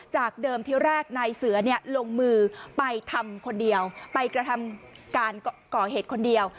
จากเดิมที่แรกนายเสือเนี่ยลงมือไปทำคนเดียวไปกระทำการก่อเหตุคนเดียว